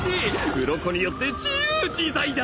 うろこによって自由自在だ！